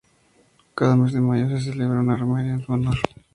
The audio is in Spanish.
Cada mes de mayo se celebra una romería en su honor.